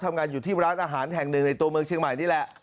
ทำงานอยู่ที่ร้านอาหารแห่งหนึ่งในตัวเมืองเชียงใหม่นี่แหละ